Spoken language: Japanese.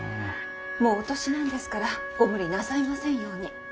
もうお年なんですからご無理なさいませんように。